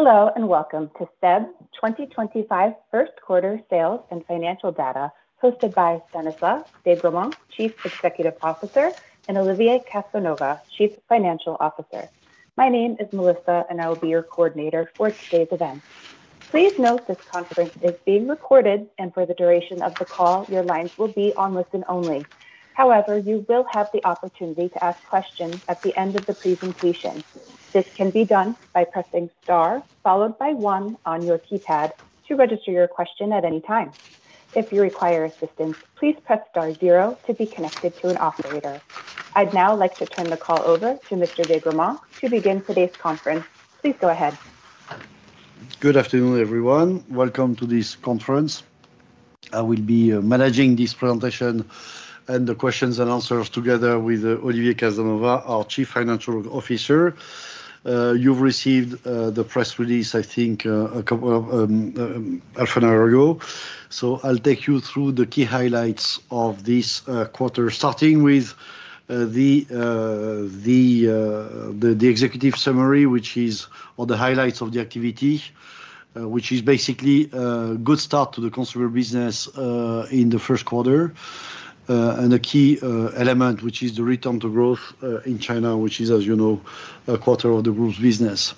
Hello and welcome to SEB's 2025 First Quarter Sales and Financial Data, hosted by Stanislas De Gramont, Chief Executive Officer, and Olivier Casanova, Chief Financial Officer. My name is Melissa, and I will be your coordinator for today's event. Please note this conference is being recorded, and for the duration of the call, your lines will be on listen only. However, you will have the opportunity to ask questions at the end of the presentation. This can be done by pressing star followed by one on your keypad to register your question at any time. If you require assistance, please press star zero to be connected to an operator. I'd now like to turn the call over to Mr. De Gramont to begin today's conference. Please go ahead. Good afternoon, everyone. Welcome to this conference. I will be managing this presentation and the questions and answers together with Olivier Casanova, our Chief Financial Officer. You've received the press release, I think, a couple of, half an hour ago. I'll take you through the key highlights of this quarter, starting with the executive summary, which is all the highlights of the activity, which is basically a good start to the consumer business in the first quarter, and a key element, which is the return to growth in China, which is, as you know, a quarter of the group's business.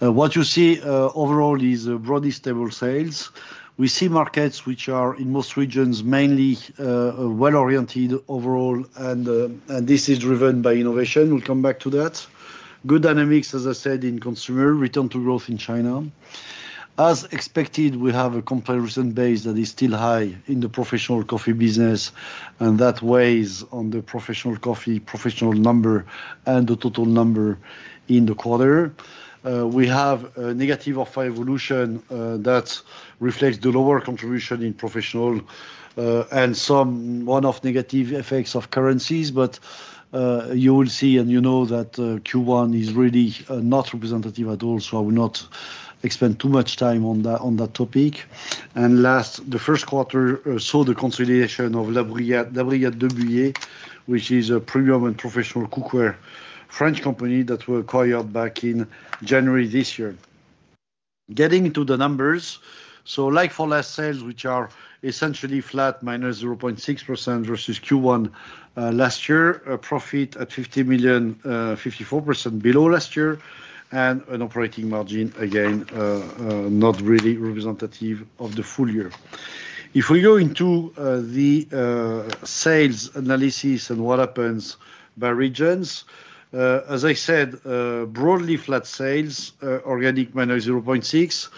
What you see overall is broadly stable sales. We see markets which are in most regions mainly well-oriented overall, and this is driven by innovation. We'll come back to that. Good dynamics, as I said, in consumer return to in China. As expected, we have a comparison base that is still high in the professional coffee business, and that weighs on the professional coffee, professional number, and the total number in the quarter. We have a negative evolution that reflects the lower contribution in professional and some one-off negative effects of currencies. But you will see, and you know that, Q1 is really not representative at all, so I will not spend too much time on that topic. The first quarter saw the consolidation of La Brigade, De Buyer, which is a premium and professional cookware French company that was acquired back in January this year. Getting to the numbers, for last sales, which are essentially flat, minus 0.6% versus Q1 last year, a profit at 50 million, 54% below last year, and an operating margin again, not really representative of the full year. If we go into the sales analysis and what happens by regions, as I said, broadly flat sales, organic minus 0.6%.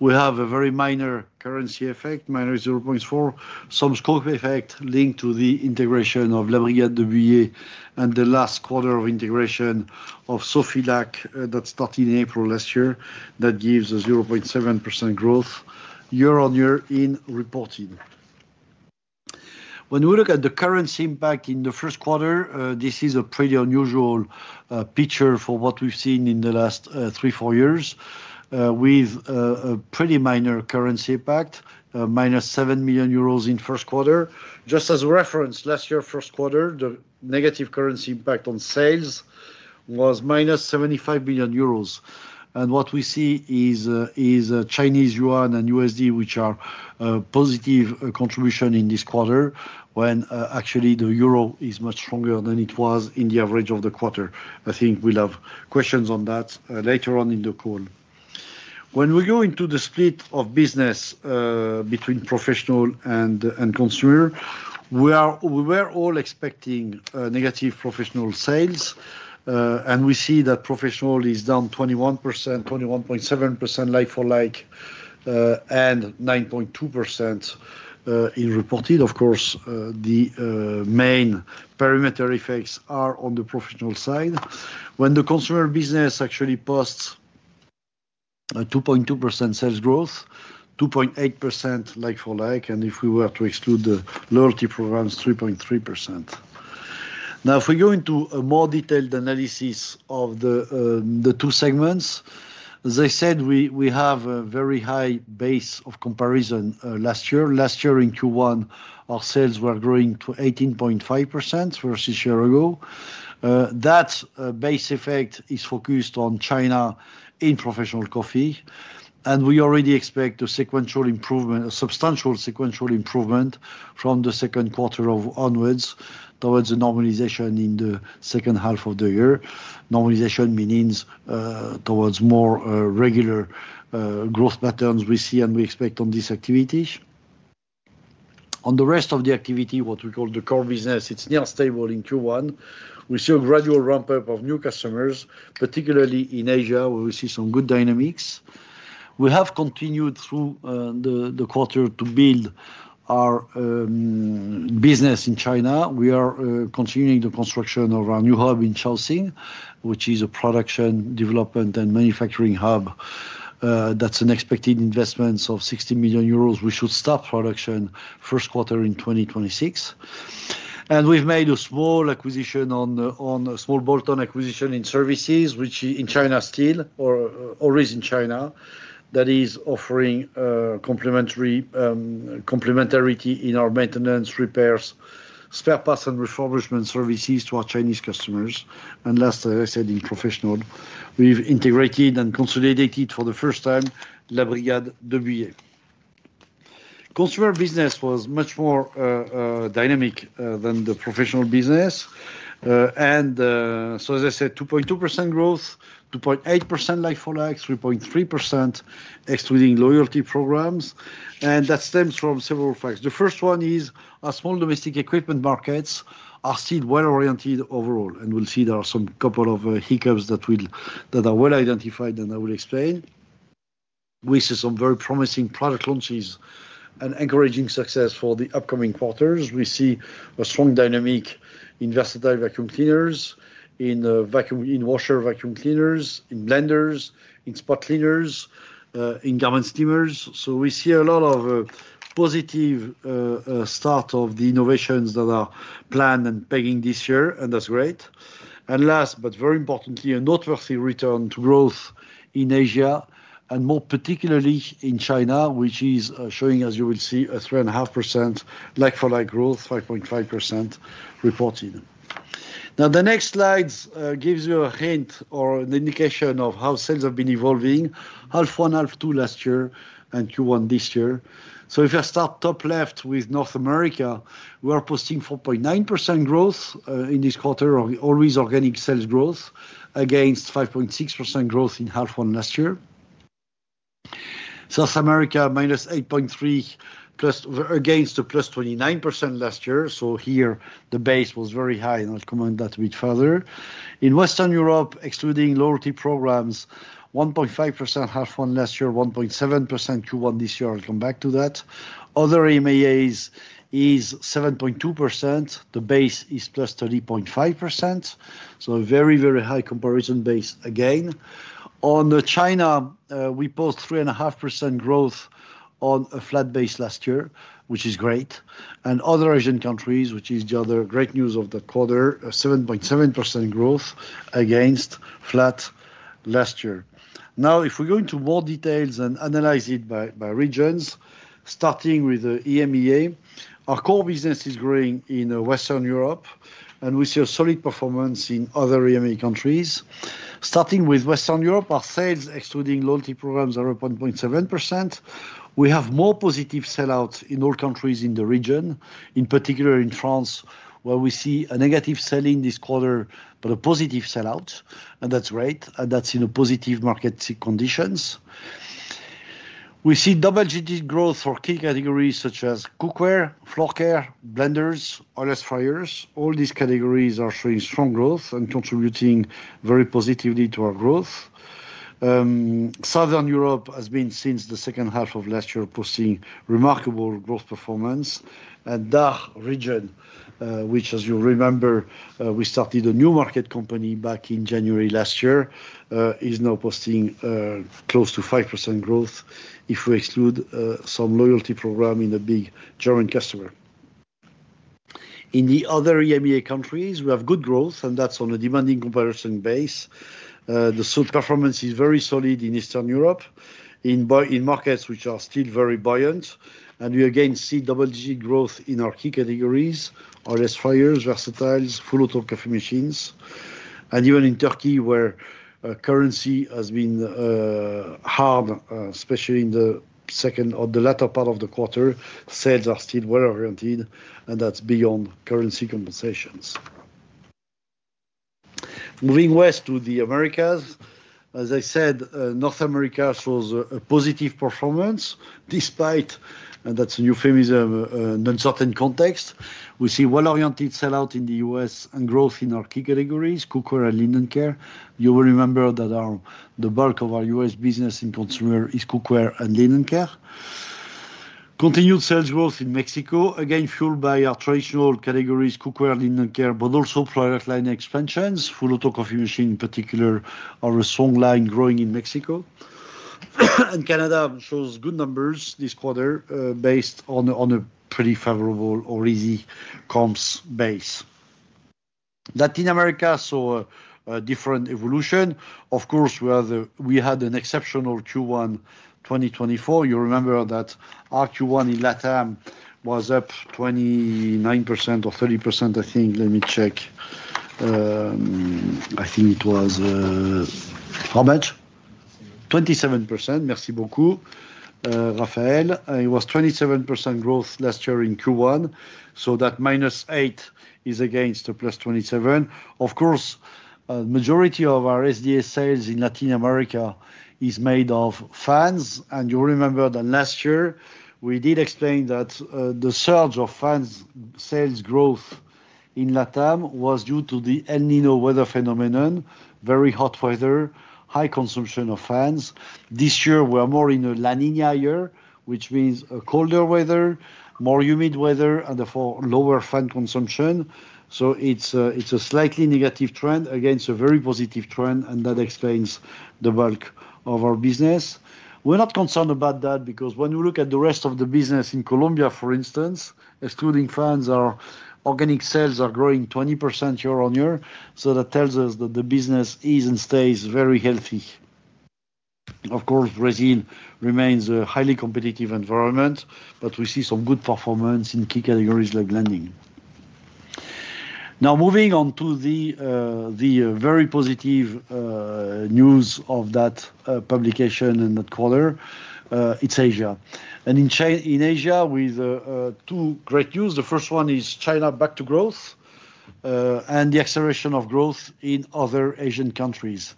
We have a very minor currency effect, minus 0.4%, some scope effect linked to the integration of La Brigade de Bouyer and the last quarter of integration of Sofilac that started in April last year that gives a 0.7% growth year on year in reporting. When we look at the currency impact in the first quarter, this is a pretty unusual picture for what we've seen in the last three, four years, with a pretty minor currency impact, minus 7 million euros in first quarter. Just as a reference, last year, first quarter, the negative currency impact on sales was minus 75 million euros. What we see is Chinese Yuan and USD, which are a positive contribution in this quarter when actually the euro is much stronger than it was in the average of the quarter. I think we'll have questions on that later on in the call. When we go into the split of business between professional and consumer, we were all expecting negative professional sales, and we see that professional is down 21%, 21.7% like for like, and 9.2% in reported. Of course, the main perimeter effects are on the professional side. When the consumer business actually posts a 2.2% sales growth, 2.8% like for like, and if we were to exclude the loyalty programs, 3.3%. Now, if we go into a more detailed analysis of the two segments, as I said, we have a very high base of comparison last year. Last year, in Q1, our sales were growing 18.5% versus a year ago. That base effect is focused on China in professional coffee, and we already expect a sequential improvement, a substantial sequential improvement from the second quarter onwards towards the normalization in the second half of the year. Normalization means towards more regular growth patterns we see and we expect on these activities. On the rest of the activity, what we call the core business, it's near stable in Q1. We see a gradual ramp up of new customers, particularly in Asia, where we see some good dynamics. We have continued through the quarter to build our business in China. We are continuing the construction of our new hub in Shaoxing, which is a production, development, and manufacturing hub. That's an expected investment of 60 million euros. We should start production first quarter in 2026. We've made a small acquisition, a small bolt-on acquisition in services, which in China still, or always in China, that is offering a complementarity in our maintenance, repairs, spare parts, and refurbishment services to our Chinese customers. Last, as I said, in professional, we've integrated and consolidated for the first time La Brigade de Bouyer. Consumer business was much more dynamic than the professional business. So as I said, 2.2% growth, 2.8% like for like, 3.3% excluding loyalty programs. That stems from several facts. The first one is our small domestic equipment markets are still well-oriented overall, and we'll see there are some couple of hiccups that are well identified, and I will explain. We see some very promising product launches and encouraging success for the upcoming quarters. We see a strong dynamic in versatile vacuum cleaners, in vacuum, in washer vacuum cleaners, in blenders, in spot cleaners, in garment steamers. So we see a lot of positive start of the innovations that are planned and picking up this year, and that's great. And last, but very importantly, a noteworthy return to growth in Asia, and more particularly in China, which is showing, as you will see, a 3.5% like for like growth, 5.5% reported. Now, the next slides give you a hint or an indication of how sales have been evolving, half one, half two last year, and Q1 this year. If I start top left with North America, we are posting 4.9% growth in this quarter, always organic sales growth, against 5.6% growth in half one last year. South America, minus 8.3%, against the plus 29% last year. Here, the base was very high, and I'll comment that a bit further. In Western Europe, excluding loyalty programs, 1.5% half one last year, 1.7% Q1 this year. I'll come back to that. Other MAAs is 7.2%. The base is plus 30.5%. A very, very high comparison base again. On China, we post 3.5% growth on a flat base last year, which is great. And other Asian countries, which is the other great news of the quarter, 7.7% growth against flat last year. Now, if we go into more details and analyze it by regions, starting with the EMEA, our core business is growing in Western Europe, and we see a solid performance in other EMEA countries. Starting with Western Europe, our sales, excluding loyalty programs, are 1.7%. We have more positive sellouts in all countries in the region, in particular in France, where we see a negative selling this quarter, but a positive sellout, and that's great, and that's in positive market conditions. We see double-digit growth for key categories such as cookware, floor care, blenders, oil fryers. All these categories are showing strong growth and contributing very positively to our growth. Southern Europe has been, since the second half of last year, posting remarkable growth performance. The DACH region, which, as you remember, we started a new market company back in January last year, is now posting close to 5% growth if we exclude some loyalty program in a big German customer. In the other EMEA countries, we have good growth, and that's on a demanding comparison base. The performance is very solid in Eastern Europe, in markets which are still very buoyant. We again see double-digit growth in our key categories: oil fryers, versatiles, Full-automatic coffee machines. Even in Turkey, where currency has been hard, especially in the second or the latter part of the quarter, sales are still well-oriented, and that's beyond currency compensations. Moving west to the Americas, as I said, North America shows a positive performance despite, and that's a new phrase, an uncertain context. We see well-oriented sellout in the US and growth in our key categories: cookware and linen care. You will remember that the bulk of our US business in consumer is cookware and linen care. Continued sales growth in Mexico, again fueled by our traditional categories: cookware, linen care, but also product line expansions. Full-automatic coffee machines, in particular, are a strong line growing in Mexico. Canada shows good numbers this quarter, based on a pretty favorable or easy comps base. Latin America saw a different evolution. Of course, we had an exceptional Q1 2024. You remember that our Q1 in LATAM was up 29% or 30%, I think. Let me check. I think it was, how much? 27%. 27%. Thank you very much, Raphael. It was 27% growth last year in Q1. So that minus 8% is against the plus 27%. Of course, the majority of our SDA sales in Latin America is made of fans. You remember that last year we did explain that the surge of fans sales growth in LATAM was due to the El Niño weather phenomenon: very hot weather, high consumption of fans. This year, we are more in a La Niña year, which means colder weather, more humid weather, and therefore lower fan consumption. It's a slightly negative trend against a very positive trend, and that explains the bulk of our business. We're not concerned about that because when we look at the rest of the business in Colombia, for instance, excluding fans, our organic sales are growing 20% year on year. That tells us that the business is and stays very healthy. Of course, Brazil remains a highly competitive environment, but we see some good performance in key categories like blending. Moving on to the very positive news of that publication in that quarter, it's Asia. In Asia, we have two great news. The first one is China back to growth, and the acceleration of growth in other Asian countries.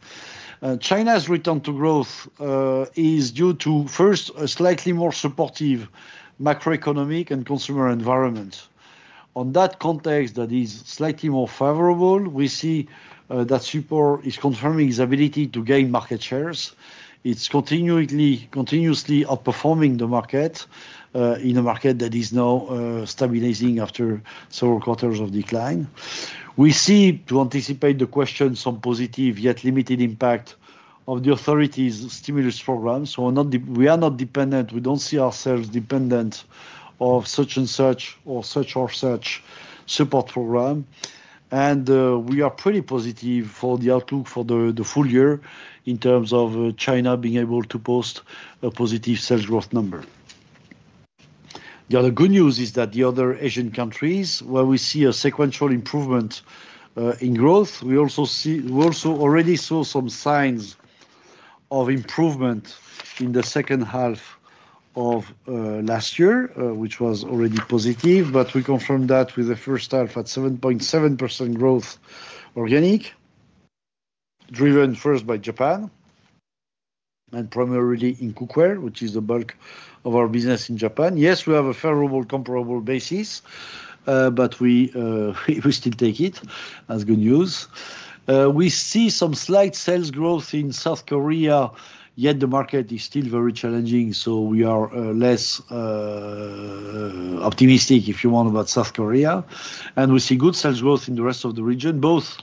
China's return to growth is due to, first, a slightly more supportive macroeconomic and consumer environment. In that context that is slightly more favorable, we see that Supor is confirming its ability to gain market shares. It's continuously outperforming the market, in a market that is now stabilizing after several quarters of decline. We see, to anticipate the question, some positive yet limited impact of the authorities' stimulus program. So we are not dependent. We don't see ourselves dependent on such and such or such and such support program. We are pretty positive for the outlook for the full year in terms of China being able to post a positive sales growth number. The other good news is that the other Asian countries, where we see a sequential improvement in growth, we also already saw some signs of improvement in the second half of last year, which was already positive. But we confirmed that with the first half at 7.7% growth organic, driven first by Japan and primarily in cookware, which is the bulk of our business in Japan. Yes, we have a favorable comparable basis, but we still take it as good news. We see some slight sales growth in South Korea, yet the market is still very challenging. We are less optimistic, if you want, about South Korea. We see good sales growth in the rest of the region, both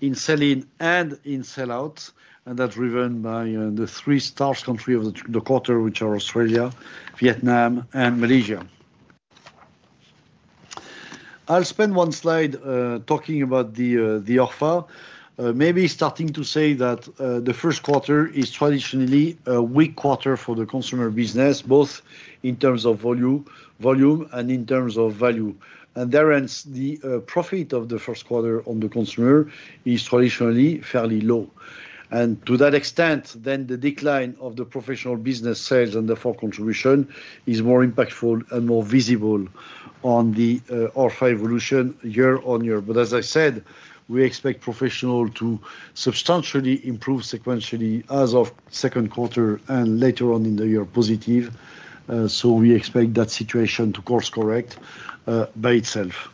in selling and in sellout, and that's driven by the three star countries of the quarter, which are Australia, Vietnam, and Malaysia. I'll spend one slide talking about the EBITDA, maybe starting to say that the first quarter is traditionally a weak quarter for the consumer business, both in terms of volume and in terms of value. Hence, the profit of the first quarter on the consumer is traditionally fairly low. To that extent, then the decline of the professional business sales and the EBITDA contribution is more impactful and more visible on the EBITDA evolution year on year. As I said, we expect professional to substantially improve sequentially as of second quarter and later on in the year positive. So we expect that situation to course correct by itself.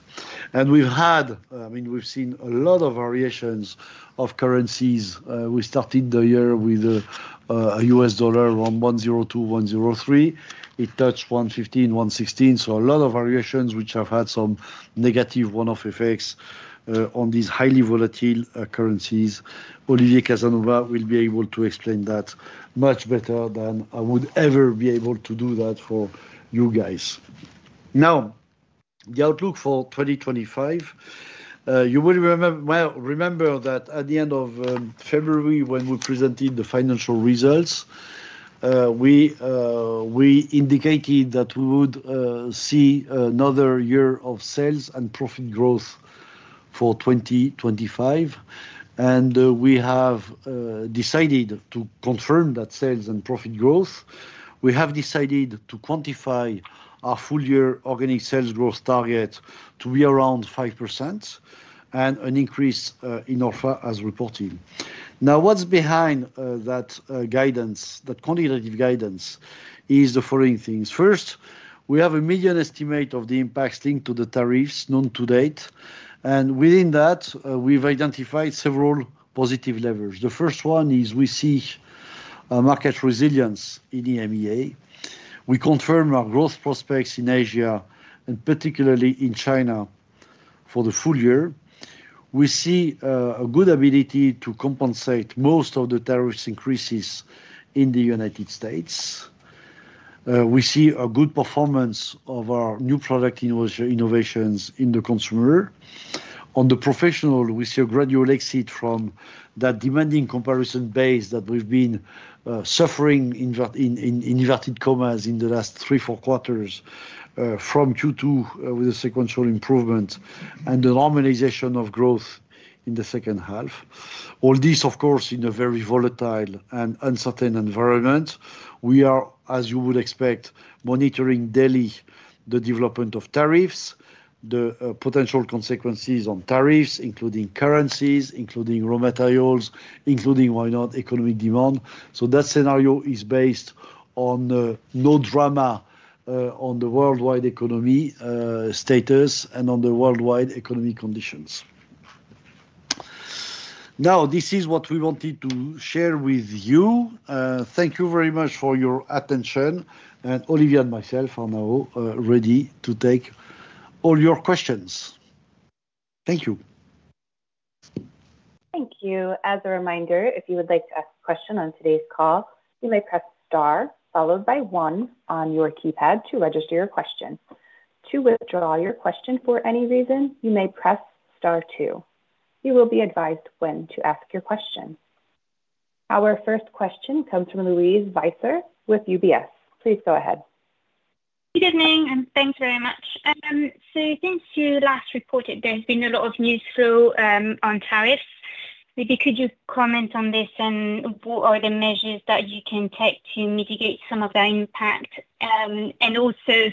We've had, I mean, we've seen a lot of variations of currencies. We started the year with a US dollar from 102, 103. It touched 115, 116. So a lot of variations which have had some negative one-off effects on these highly volatile currencies. Olivier Casanova will be able to explain that much better than I would ever be able to do that for you guys. Now, the outlook for 2025, you will remember that at the end of February, when we presented the financial results, we indicated that we would see another year of sales and profit growth for 2025. We have decided to confirm that sales and profit growth. We have decided to quantify our full year organic sales growth target to be around 5% and an increase in ORfA as reported. Now, what's behind that guidance, that quantitative guidance, is the following things. First, we have a median estimate of the impacts linked to the tariffs known to date. Within that, we've identified several positive levers. The first one is we see market resilience in EMEA. We confirm our growth prospects in Asia and particularly in China for the full year. We see good ability to compensate most of the tariffs increases in the United States. We see good performance of our new product innovations in the consumer. On the professional, we see a gradual exit from that demanding comparison base that we've been suffering in the last three, four quarters, from Q2, with a sequential improvement and the normalization of growth in the second half. All this, of course, in a very volatile and uncertain environment. We are, as you would expect, monitoring daily the development of tariffs, the potential consequences on tariffs, including currencies, including raw materials, including economic demand. So that scenario is based on no drama on the worldwide economy status and on the worldwide economic conditions. Now, this is what we wanted to share with you. Thank you very much for your attention. Olivier and myself are now ready to take all your questions. Thank you. Thank you. As a reminder, if you would like to ask a question on today's call, you may press star followed by one on your keypad to register your question. To withdraw your question for any reason, you may press star two. You will be advised when to ask your question. Our first question comes from Louise Weiser with UBS. Please go ahead. Good evening, and thanks very much. Thanks to last reported. There's been a lot of news flow on tariffs. Maybe could you comment on this and what are the measures that you can take to mitigate some of the impact? And also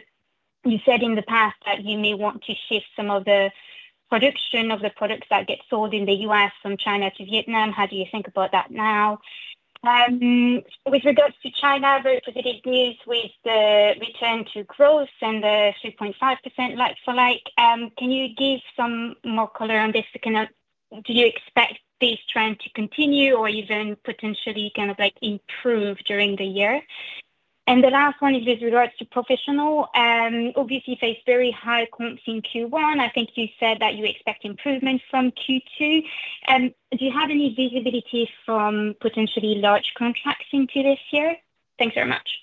you said in the past that you may want to shift some of the production of the products that get sold in the US from China to Vietnam. How do you think about that now? With regards to China, there's positive news with the return to growth and the 3.5% like for like. Can you give some more color on this? Do you expect these trends to continue or even potentially improve during the year? And the last one is with regards to professional. Obviously, face very high comps in Q1. I think you said that you expect improvement from Q2. Do you have any visibility from potentially large contracts into this year? Thanks very much.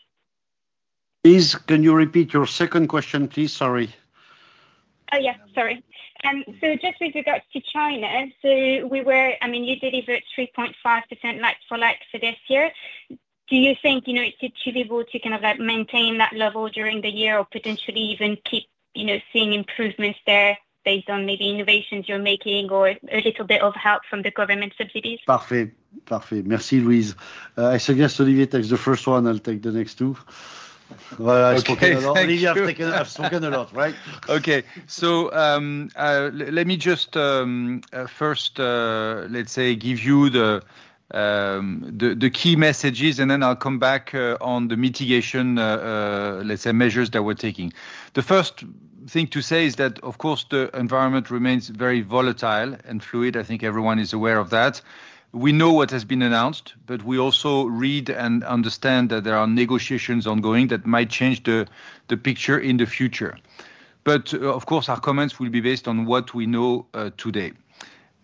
Please, can you repeat your second question, please? Sorry. Yeah, sorry. Just with regards to China, we were, I mean, you delivered 3.5% like-for-like for this year. Do you think it's achievable to kind of maintain that level during the year or potentially even keep seeing improvements there based on maybe innovations you're making or a little bit of help from the government subsidies? Perfect. Perfect. Thank you, Louise. I suggest Olivier takes the first one. I'll take the next two. Well, I've spoken a lot. Olivier, I've spoken a lot, right? Okay. Let me just, first, give you the key messages, and then I'll come back on the mitigation measures that we're taking. The first thing to say is that, of course, the environment remains very volatile and fluid. I think everyone is aware of that. We know what has been announced, but we also read and understand that there are negotiations ongoing that might change the picture in the future. But, of course, our comments will be based on what we know today.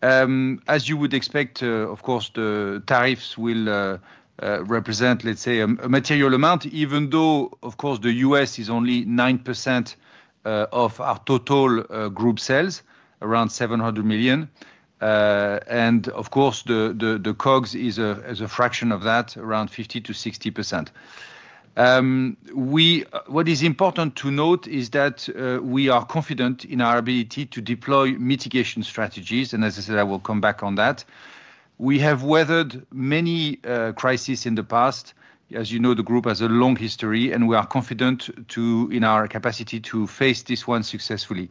As you would expect, of course, the tariffs will represent a material amount, even though, of course, the US is only 9% of our total group sales, around $700 million. And of course, the COGS is a fraction of that, around 50% to 60%. What is important to note is that we are confident in our ability to deploy mitigation strategies. And as I said, I will come back on that. We have weathered many crises in the past. As you know, the group has a long history, and we are confident in our capacity to face this one successfully.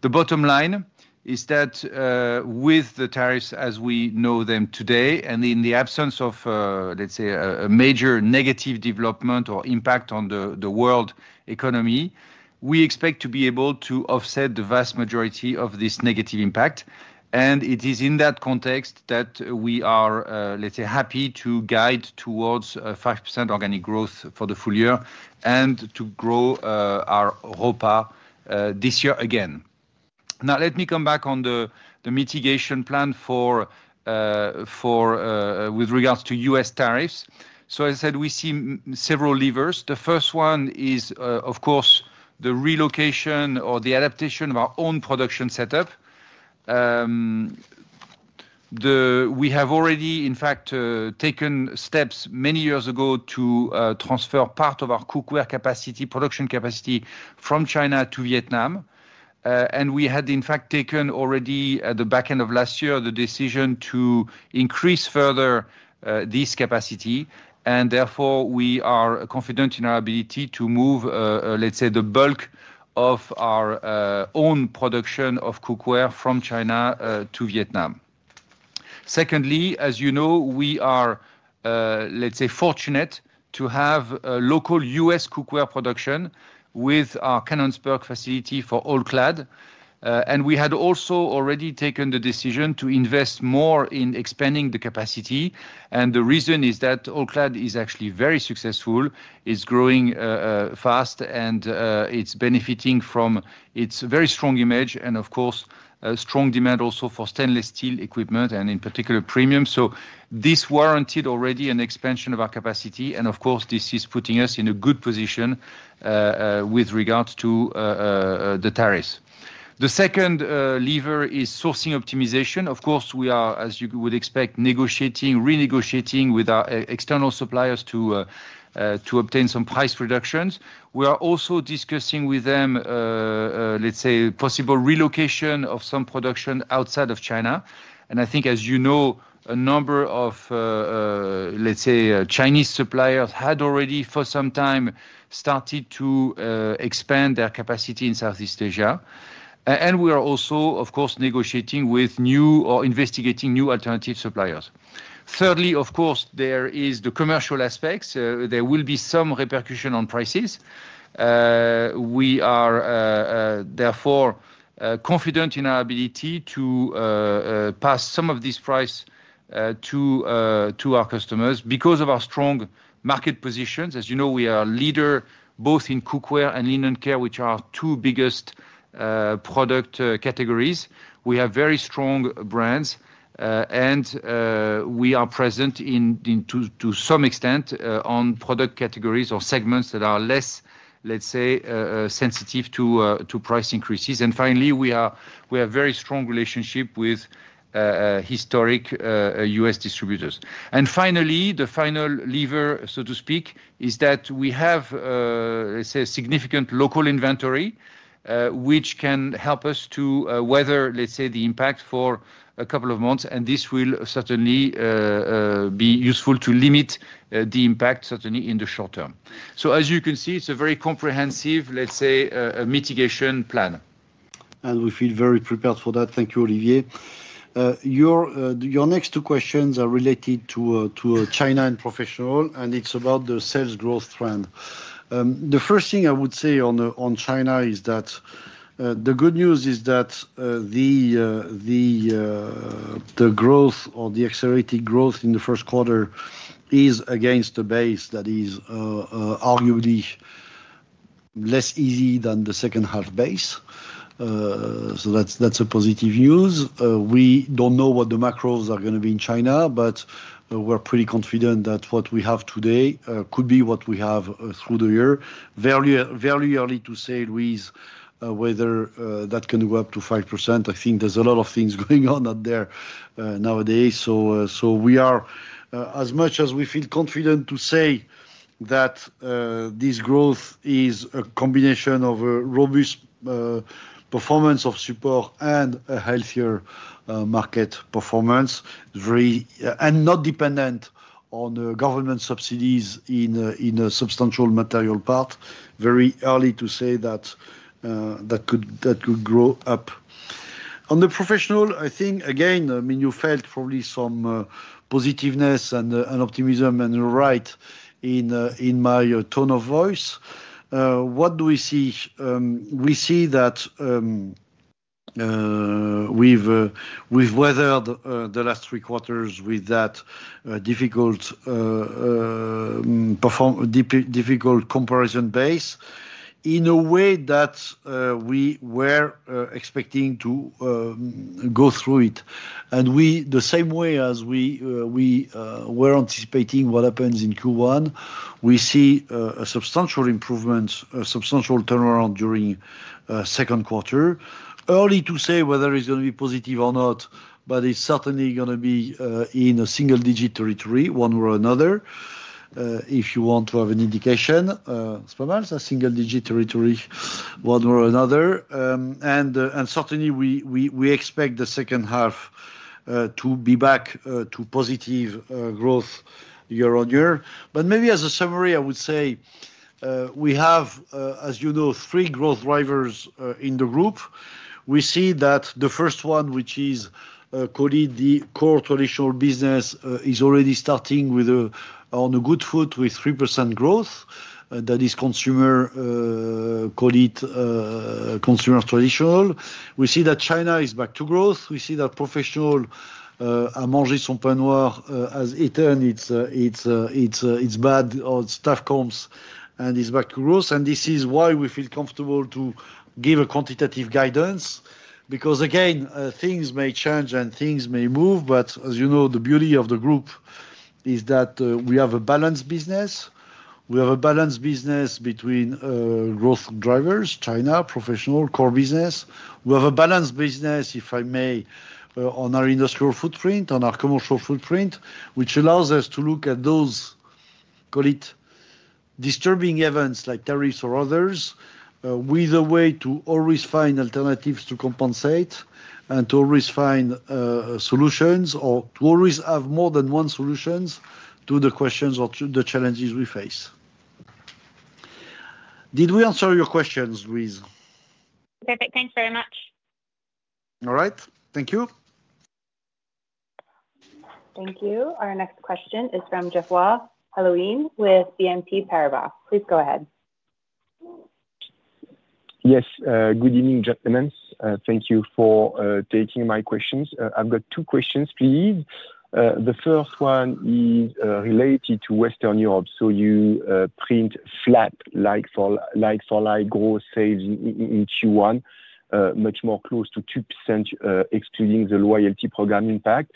The bottom line is that, with the tariffs as we know them today and in the absence of a major negative development or impact on the world economy, we expect to be able to offset the vast majority of this negative impact. And it is in that context that we are happy to guide towards a 5% organic growth for the full year and to grow our ORfA this year again. Now, let me come back on the mitigation plan with regards to US tariffs. So as I said, we see several levers. The first one is, of course, the relocation or the adaptation of our own production setup. We have already, in fact, taken steps many years ago to transfer part of our cookware capacity, production capacity from China to Vietnam. We had, in fact, taken already at the back end of last year the decision to increase further this capacity. Therefore, we are confident in our ability to move the bulk of our own production of cookware from China to Vietnam. Secondly, as you know, we are fortunate to have a local US cookware production with our Canonsburg facility for All-Clad. We had also already taken the decision to invest more in expanding the capacity. The reason is that All-Clad is actually very successful. It's growing fast, and it's benefiting from its very strong image and, of course, strong demand also for stainless steel equipment and, in particular, premium. This warranted already an expansion of our capacity. Of course, this is putting us in a good position with regards to the tariffs. The second lever is sourcing optimization. Of course, we are, as you would expect, negotiating, renegotiating with our external suppliers to obtain some price reductions. We are also discussing with them possible relocation of some production outside of China. I think, as you know, a number of Chinese suppliers had already for some time started to expand their capacity in Southeast Asia, and we are also, of course, negotiating with new or investigating new alternative suppliers. Thirdly, of course, there is the commercial aspects. There will be some repercussion on prices. We are, therefore, confident in our ability to pass some of these prices to our customers because of our strong market positions. As you know, we are a leader both in cookware and linen care, which are our two biggest product categories. We have very strong brands, and we are present to some extent on product categories or segments that are less sensitive to price increases. And finally, we have a very strong relationship with historic US distributors. And finally, the final lever, so to speak, is that we have a significant local inventory, which can help us to weather the impact for a couple of months. And this will certainly be useful to limit the impact certainly in the short term. So, as you can see, it's a very comprehensive mitigation plan. And we feel very prepared for that. Thank you. Your next two questions are related to China and professional, and it's about the sales growth trend. The first thing I would say on China is that the good news is that the growth or the accelerated growth in the first quarter is against the base that is arguably less easy than the second-half base. So that's a positive news. We don't know what the macros are going to be in China, but we're pretty confident that what we have today could be what we have through the year. Very early to say, Louise, whether that can go up to 5%. I think there's a lot of things going on out there nowadays. We are, as much as we feel confident to say that, this growth is a combination of a robust performance of support and a healthier market performance, and not dependent on government subsidies in a substantial material part. Very early to say that could grow up. On the professional, I think, again, I mean, you felt probably some positiveness and optimism in my tone of voice. What do we see? We see that we've weathered the last three quarters with that difficult comparison base in a way that we were expecting to go through it. The same way as we were anticipating what happens in Q1, we see a substantial improvement, a substantial turnaround during second quarter. Early to say whether it's going to be positive or not, but it's certainly going to be in single-digit territory, one way or another. If you want to have an indication, it's probably single-digit territory, one way or another. Certainly we expect the second half to be back to positive growth year on year. But maybe as a summary, I would say we have, as you know, three growth drivers in the group. We see that the first one, which is called the core traditional business, is already starting on a good foot with 3% growth. That is consumer traditional. We see that China is back to growth. We see that professional margin has eaten its bad stuff and is back to growth. This is why we feel comfortable to give a quantitative guidance because, again, things may change and things may move. But as you know, the beauty of the group is that we have a balanced business. We have a balanced business between growth drivers, China, professional, core business. We have a balanced business, if I may, on our industrial footprint, on our commercial footprint, which allows us to look at those, call it disturbing events like tariffs or others, with a way to always find alternatives to compensate and to always find solutions or to always have more than one solution to the questions or to the challenges we face. Did we answer your questions, Louise? Perfect. Thanks very much. All right. Thank you. Thank you. Our next question is from Geoffroy de Mendez with BNP Paribas. Please go ahead. Yes. Good evening, gentlemen. Thank you for taking my questions. I've got two questions, please. The first one is related to Western Europe. So you print flat, like for like growth saves in Q1, much more close to 2%, excluding the loyalty program impact.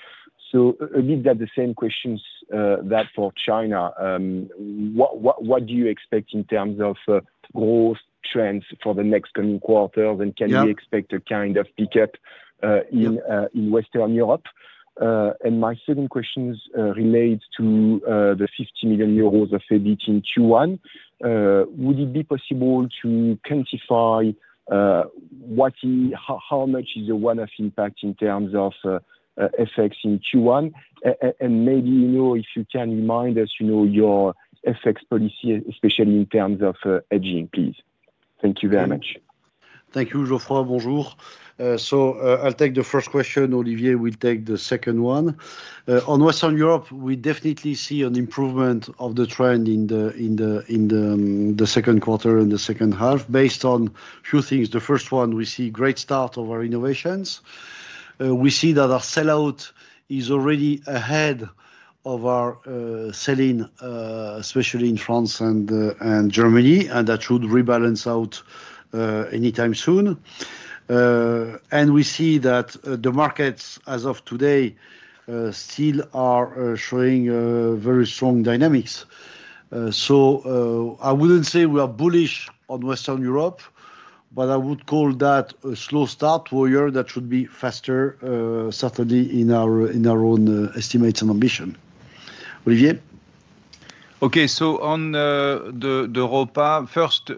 So a bit the same questions that for China. What do you expect in terms of growth trends for the next coming quarters? And can you expect a kind of pickup in Western Europe? And my second question relates to the €50 million of EBIT in Q1. Would it be possible to quantify what is how much is the one-off impact in terms of effects in Q1? And maybe, you know, if you can remind us, you know, your effects policy, especially in terms of hedging, please. Thank you very much. Thank you, Jofrin. Bonjour. So, I'll take the first question. Olivier will take the second one. On Western Europe, we definitely see an improvement of the trend in the second quarter and the second half based on a few things. The first one, we see a great start of our innovations. We see that our sellout is already ahead of our selling, especially in France and Germany, and that should rebalance out anytime soon. We see that the markets as of today still are showing very strong dynamics. So I wouldn't say we are bullish on Western Europe, but I would call that a slow start for a year that should be faster, certainly in our own estimates and ambition. Olivier. Okay. On the ORfA first,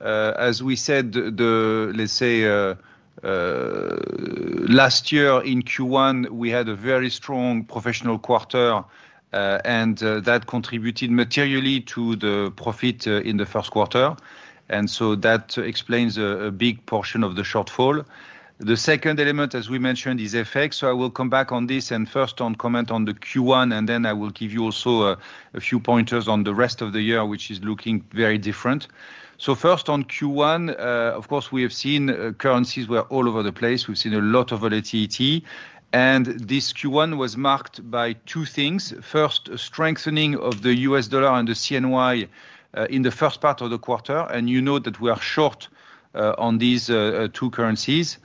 as we said, last year in Q1, we had a very strong professional quarter, and that contributed materially to the profit in the first quarter. That explains a big portion of the shortfall. The second element, as we mentioned, is effects. I will come back on this and first comment on the Q1, and then I will give you also a few pointers on the rest of the year, which is looking very different. First on Q1, of course, we have seen currencies were all over the place. We've seen a lot of volatility. This Q1 was marked by two things. First, a strengthening of the US dollar and the CNY, in the first part of the quarter. You know that we are short on these two currencies.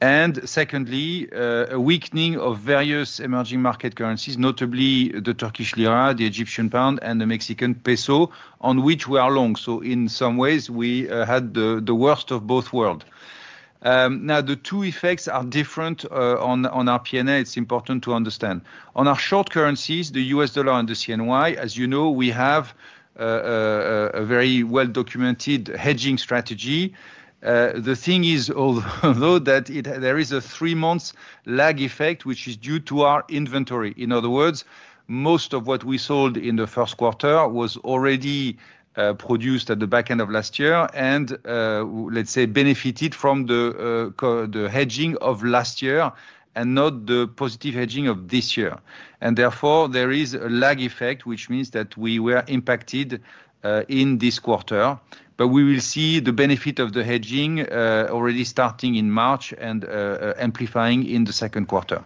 Secondly, a weakening of various emerging market currencies, notably the Turkish lira, the Egyptian pound, and the Mexican peso, on which we are long. In some ways, we had the worst of both worlds. Now the two effects are different on our P&L. It's important to understand. On our short currencies, the US dollar and the CNY, as you know, we have a very well-documented hedging strategy. The thing is, although there is a three-month lag effect, which is due to our inventory. In other words, most of what we sold in the first quarter was already produced at the back end of last year and, let's say, benefited from the hedging of last year and not the positive hedging of this year. Therefore, there is a lag effect, which means that we were impacted in this quarter. We will see the benefit of the hedging already starting in March and amplifying in the second quarter.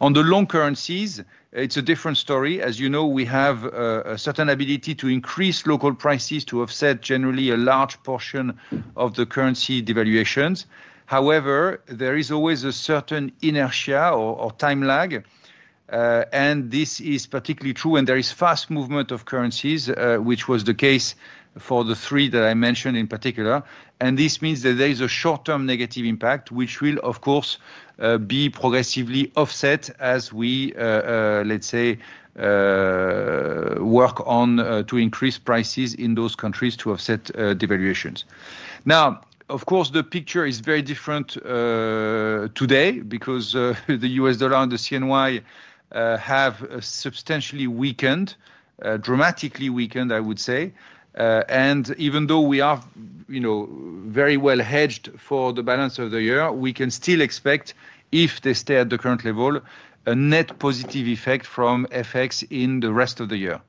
On the long currencies, it's a different story. As you know, we have a certain ability to increase local prices to offset generally a large portion of the currency devaluations. However, there is always a certain inertia or time lag, and this is particularly true. There is fast movement of currencies, which was the case for the three that I mentioned in particular. This means that there is a short-term negative impact, which will, of course, be progressively offset as we work to increase prices in those countries to offset devaluations. Now, of course, the picture is very different today because the US dollar and the CNY have substantially weakened, dramatically weakened, I would say. And even though we are, you know, very well hedged for the balance of the year, we can still expect, if they stay at the current level, a net positive effect from effects in the rest of the year.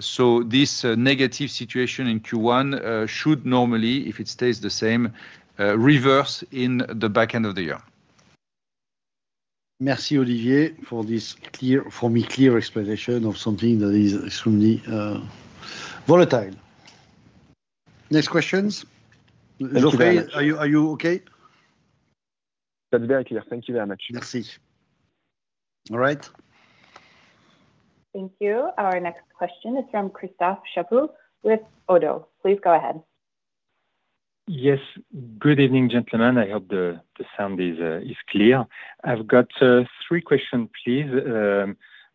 So this negative situation in Q1 should normally, if it stays the same, reverse in the back end of the year. Merci, Olivier, for this clear, for me clear explanation of something that is extremely volatile. Next questions. Hello? Are you okay? That's very clear. Thank you very much. Merci. All right. Thank you. Our next question is from Christophe Klopfert with Oddo. Please go ahead. Yes. Good evening, gentlemen. I hope the sound is clear. I've got three questions, please.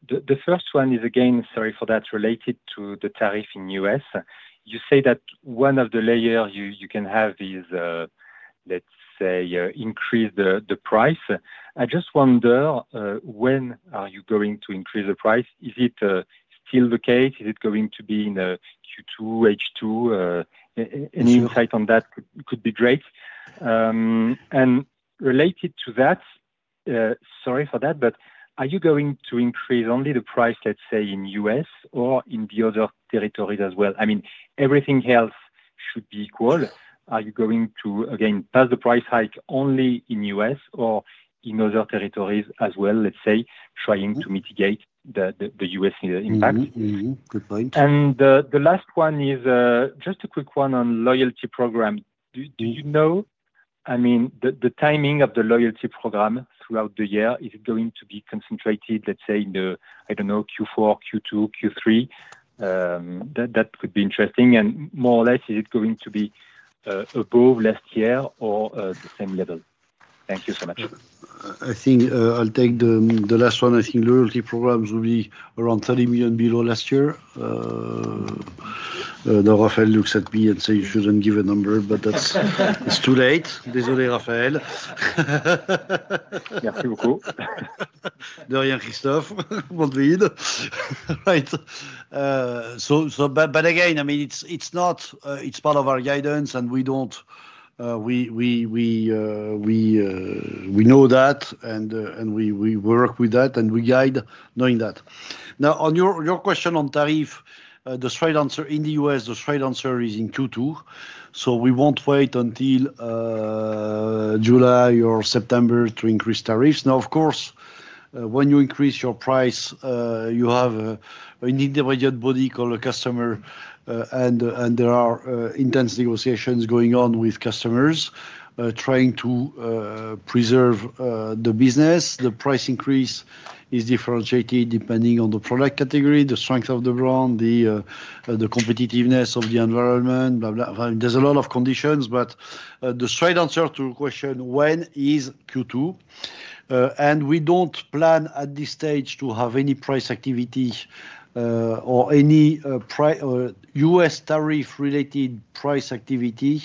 The first one is, again, sorry for that, related to the tariff in US. You say that one of the layers you can have is, let's say, increase the price. I just wonder, when are you going to increase the price? Is it still the case? Is it going to be in Q2, H2? Any insight on that could be great. Related to that, sorry for that, but are you going to increase only the price, let's say, in US or in the other territories as well? I mean, everything else should be equal. Are you going to, again, pass the price hike only in US or in other territories as well, let's say, trying to mitigate the US impact? Good point. The last one is just a quick one on loyalty program. Do you know the timing of the loyalty program throughout the year? Is it going to be concentrated in Q4, Q2, Q3? That could be interesting. And more or less, is it going to be above last year or the same level? Thank you so much. I think I'll take the last one. I think loyalty programs will be around $30 million below last year. Now Rafael looks at me and says, "You shouldn't give a number, but it's too late." Désolé, Rafael. Merci beaucoup. De rien, Christophe. Right, but again, it's not, it's part of our guidance and we don't, we know that and we work with that and we guide knowing that. Now, on your question on tariff, the straight answer in the US, the straight answer is in Q2. So we won't wait until July or September to increase tariffs. Now, of course, when you increase your price, you have an intermediate body called a customer, and there are intense negotiations going on with customers, trying to preserve the business. The price increase is differentiated depending on the product category, the strength of the brand, the competitiveness of the environment. There's a lot of conditions, but the straight answer to the question, when is Q2? We don't plan at this stage to have any price activity, or any price, US tariff-related price activity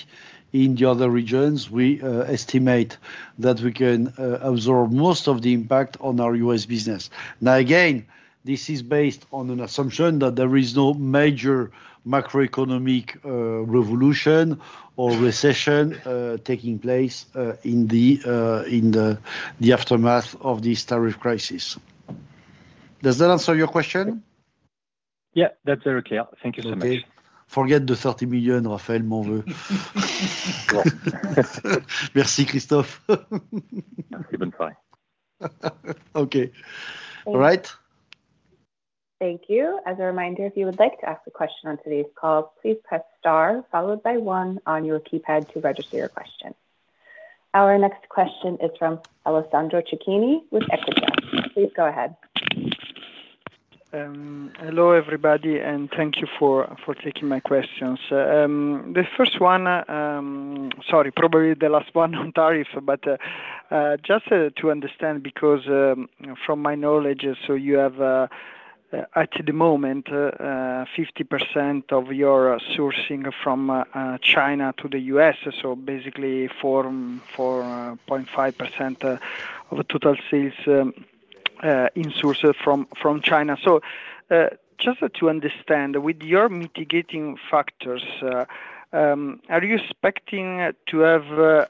in the other regions. We estimate that we can absorb most of the impact on our US business. Now, again, this is based on an assumption that there is no major macroeconomic revolution or recession taking place in the aftermath of this tariff crisis. Does that answer your question? Yeah, that's very clear. Thank you so much. Forget the $30 million, Rafael Monveu. Merci, Christophe. That's even fine. Okay. All right. Thank you. As a reminder, if you would like to ask a question on today's call, please press star followed by one on your keypad to register your question. Our next question is from Alessandro Cecchini with Equita SIM Please go ahead. Hello everybody and thank you for taking my questions. The first one, sorry, probably the last one on tariff, but just to understand because from my knowledge, so you have at the moment 50% of your sourcing from China to the US. Basically for 0.5% of the total sales in source from China. Just to understand with your mitigating factors, are you expecting to have a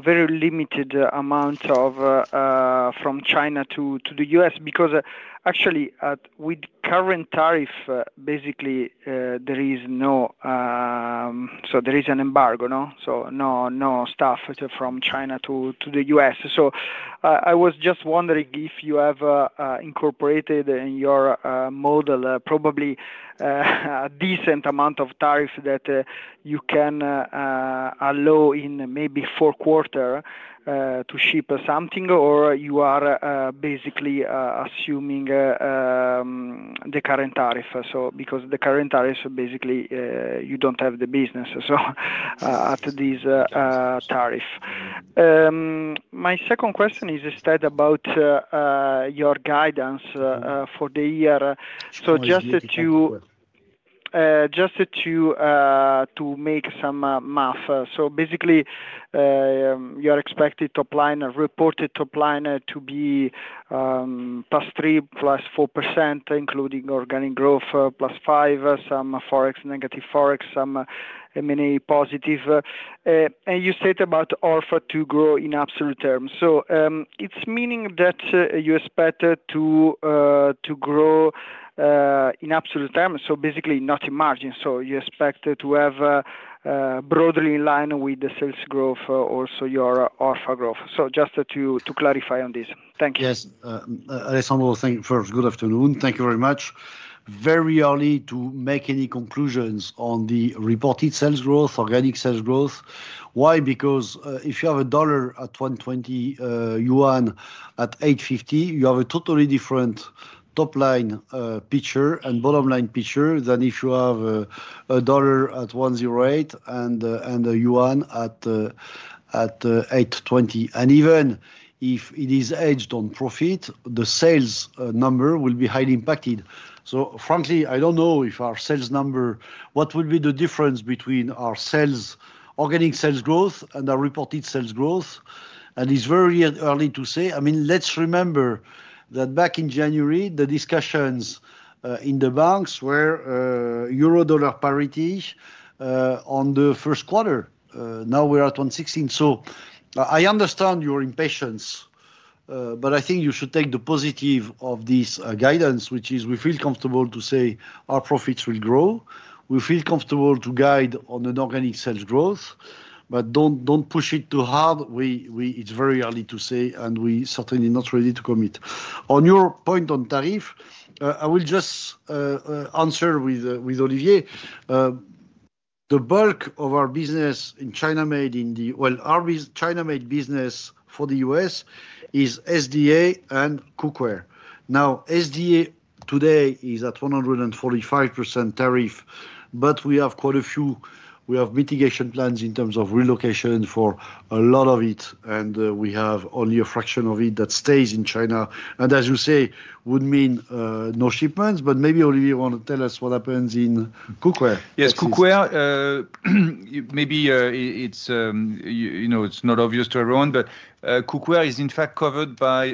very limited amount from China to the US? Because actually, with current tariff, basically there is an embargo, no? No stuff from China to the US. I was just wondering if you have incorporated in your model probably a decent amount of tariff that you can allow in maybe fourth quarter to ship something or you are basically assuming the current tariff. Because the current tariff, basically you don't have the business at this tariff. My second question is instead about your guidance for the year. Just to make some math. Basically, you're expected top line, reported top line to be plus 3%, plus 4%, including organic growth plus 5%, some forex negative forex, some M&A positive. You said about EBITDA to grow in absolute terms. It's meaning that you expect to grow in absolute terms. Basically not in margin. You expect to have, broadly in line with the sales growth, also your EBITDA growth. Just to clarify on this. Thank you. Yes. Alessandro, thank you first. Good afternoon. Thank you very much. Very early to make any conclusions on the reported sales growth, organic sales growth. Why? Because, if you have a dollar at 1.20, yuan at 8.50, you have a totally different top line picture and bottom line picture than if you have a dollar at 1.08 and a yuan at 8.20. Even if it is edged on profit, the sales number will be highly impacted. Frankly, I don't know what will be the difference between our organic sales growth and our reported sales growth. It's very early to say. Let's remember that back in January, the discussions in the banks were euro dollar parity on the first quarter. Now we're at 1.16. I understand your impatience, but I think you should take the positive of this guidance, which is we feel comfortable to say our profits will grow. We feel comfortable to guide on an organic sales growth, but don't push it too hard. It's very early to say and we're certainly not ready to commit. On your point on tariff, I will just answer with Olivier. The bulk of our business in China made in the, well, our China made business for the US is SDA and Cookware. SDA today is at 145% tariff, but we have quite a few, we have mitigation plans in terms of relocation for a lot of it. We have only a fraction of it that stays in China. As you say, would mean no shipments, but maybe Olivier want to tell us what happens in Cookware. Yes. Cookware, maybe, it's, you know, it's not obvious to everyone, but Cookware is in fact covered by,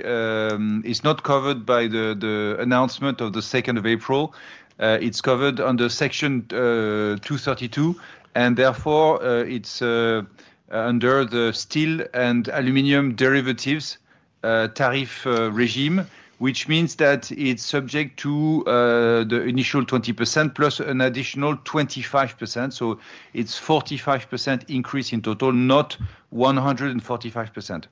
is not covered by the announcement of the 2nd of April. It's covered under section 232. Therefore, it's under the steel and aluminum derivatives tariff regime, which means that it's subject to the initial 20% plus an additional 25%. So it's 45% increase in total, not 145%.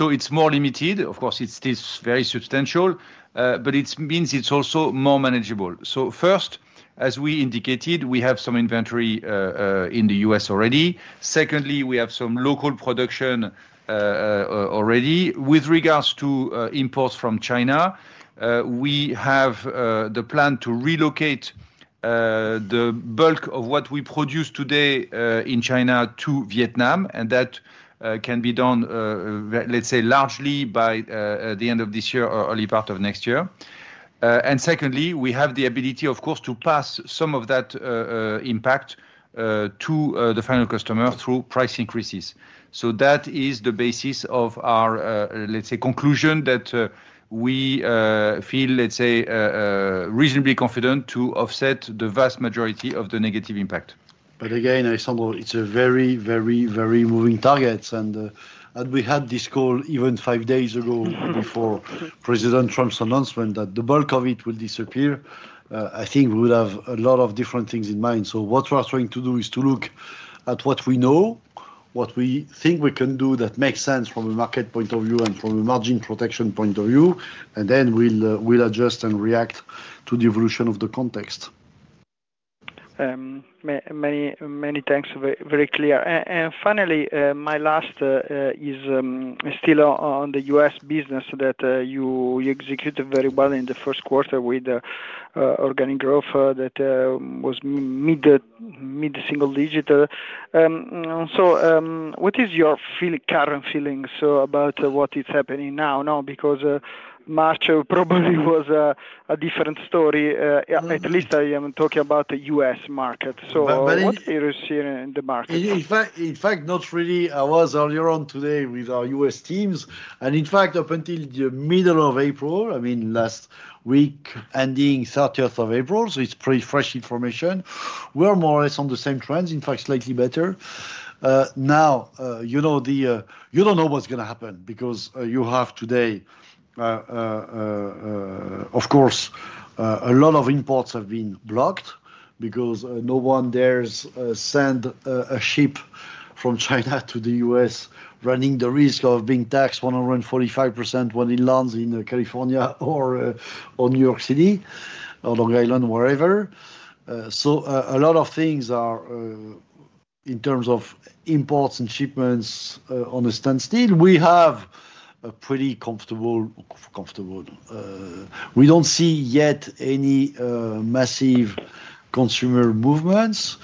It's more limited. Of course, it's still very substantial, but it means it's also more manageable. First, as we indicated, we have some inventory in the U.S. already. Secondly, we have some local production already with regards to imports from China. We have the plan to relocate the bulk of what we produce today in China to Vietnam. That can be done largely by the end of this year or early part of next year. Secondly, we have the ability, of course, to pass some of that impact to the final customer through price increases. That is the basis of our conclusion that we feel reasonably confident to offset the vast majority of the negative impact. But again, Alessandro, it's a very, very, very moving target. We had this call even five days ago before President Trump's announcement that the bulk of it will disappear. I think we would have a lot of different things in mind. So what we're trying to do is to look at what we know, what we think we can do that makes sense from a market point of view and from a margin protection point of view. Then we'll adjust and react to the evolution of the context. Many thanks. Very clear. Finally, my last is still on the US business that you executed very well in the first quarter with organic growth that was mid single digit. So what is your feeling, current feelings about what is happening now? Because March probably was a different story, at least I am talking about the US market. What's interesting in the market? Not really. I was earlier on today with our US teams. Up until the middle of April, I mean, last week ending April 30th, so it's pretty fresh information. We're more or less on the same trends, slightly better. Now, you don't know what's going to happen because you have today, of course, a lot of imports have been blocked because no one dares send a ship from China to the US running the risk of being taxed 145% when it lands in California or New York City or Long Island, wherever. A lot of things are, in terms of imports and shipments, on a standstill. We have a pretty comfortable, we don't see yet any massive consumer movements.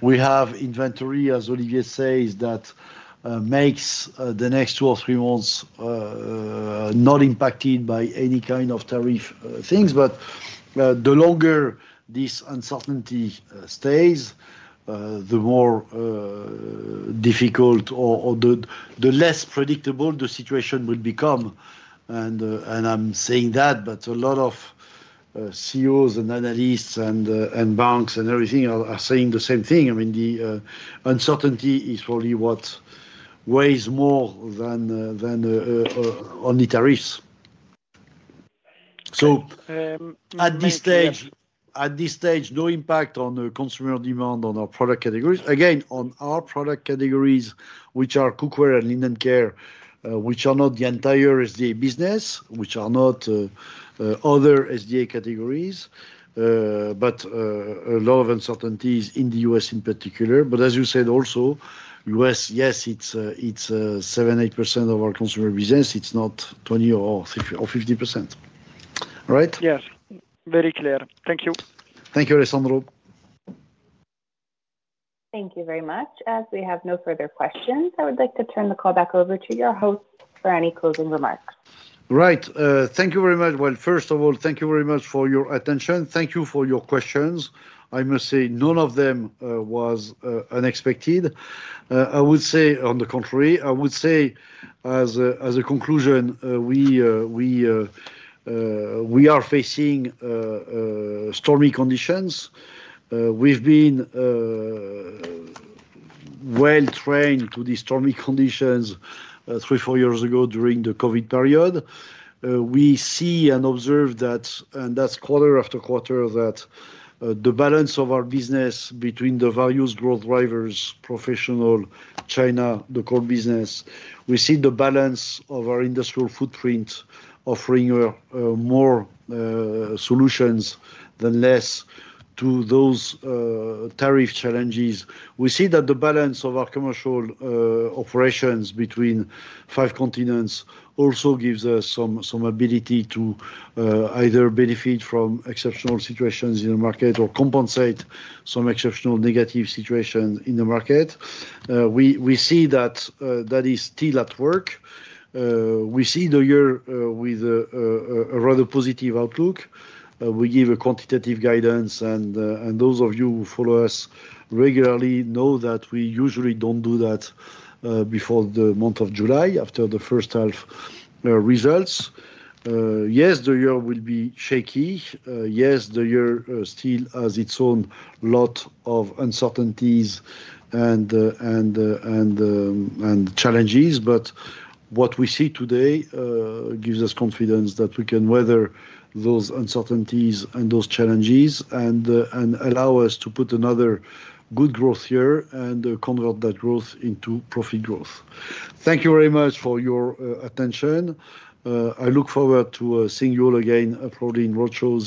We have inventory, as Olivier says, that makes the next two or three months not impacted by any kind of tariff things. But the longer this uncertainty stays, the more difficult or the less predictable the situation will become. I'm saying that, but a lot of CEOs and analysts and banks and everything are saying the same thing. I mean, the uncertainty is probably what weighs more than the tariffs. So at this stage, no impact on the consumer demand on our product categories. Again, on our product categories, which are Cookware and Linden Care, which are not the entire SDA business, which are not other SDA categories. But a lot of uncertainties in the US in particular. As you said also, US, yes, it's 7%, 8% of our consumer business. It's not 20% or 30% or 50%. All right? Yes. Very clear. Thank you. Thank you, Alessandro. Thank you very much. As we have no further questions, I would like to turn the call back over to your host for any closing remarks. Right. Thank you very much. Well, first of all, thank you very much for your attention. Thank you for your questions. I must say none of them was unexpected. I would say, on the contrary, I would say as a conclusion, we are facing stormy conditions. We've been well trained to these stormy conditions three, four years ago during the COVID period. We see and observe that, and that's quarter after quarter, that the balance of our business between the various growth drivers, professional, China, the core business, we see the balance of our industrial footprint offering more solutions than less to those tariff challenges. We see that the balance of our commercial operations between five continents also gives us some ability to either benefit from exceptional situations in the market or compensate some exceptional negative situations in the market. We see that that is still at work. We see the year with a rather positive outlook. We give a quantitative guidance and those of you who follow us regularly know that we usually don't do that before the month of July after the first half results. Yes, the year will be shaky. Yes, the year still has its own lot of uncertainties and challenges. But what we see today gives us confidence that we can weather those uncertainties and those challenges and allow us to put another good growth year and convert that growth into profit growth. Thank you very much for your attention. I look forward to seeing you all again, probably in roadshows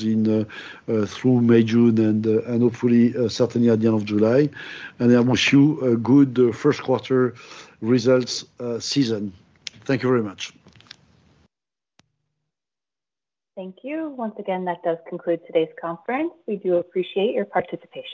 through May, June, and hopefully, certainly at the end of July. I wish you a good first quarter results season. Thank you very much. Thank you. Once again, that does conclude today's conference. We do appreciate your participation.